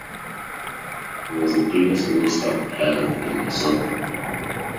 He was the previous Minister of Health in Lesotho.